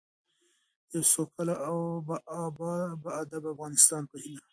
د یوه سوکاله او باادبه افغانستان په هیله.